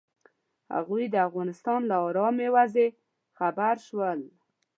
هغوی د افغانستان له ارامې وضعې خبر شول.